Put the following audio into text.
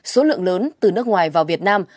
số lượng lớn từ nước ngoài vào việt nam